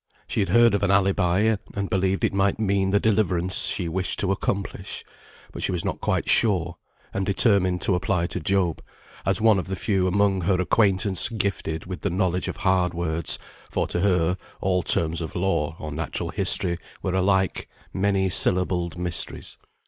She had heard of an alibi, and believed it might mean the deliverance she wished to accomplish; but she was not quite sure, and determined to apply to Job, as one of the few among her acquaintance gifted with the knowledge of hard words, for to her, all terms of law, or natural history, were alike many syllabled mysteries.